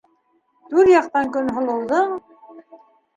Түрьяҡтан Көнһылыуҙың: